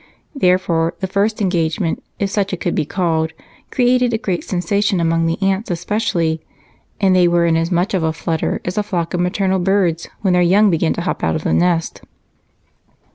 Therefore the first engagement, if such it could be called, created a great sensation, among the aunts especially, and they were in as much of a flutter as a flock of maternal birds when their young begin to hop out of the nest.